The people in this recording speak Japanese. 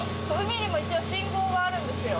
海にも一応信号があるんですよ。